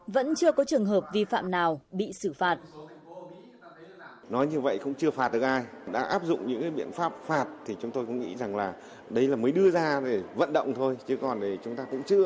vẫn chưa có trường hợp vi phạm nào bị xử phạt